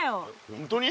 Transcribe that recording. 本当に？